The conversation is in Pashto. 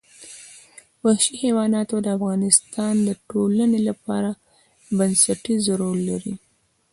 وحشي حیوانات د افغانستان د ټولنې لپاره بنسټيز رول لري.